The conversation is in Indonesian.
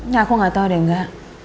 ya aku gak tau deh enggak